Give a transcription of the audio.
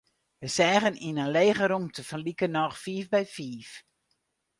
Wy seagen yn in lege rûmte fan likernôch fiif by fiif.